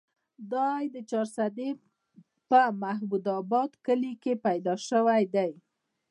دے د چارسرې پۀ محمود اباد کلي کښې پېدا شوے دے